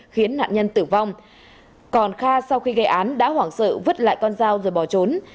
khiến nạn nhân tử vong còn kha sau khi gây án đã hoảng sợ vứt lại con dao rồi bỏ trốn